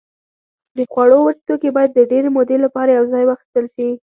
د خوړو وچ توکي باید د ډېرې مودې لپاره یوځای واخیستل شي.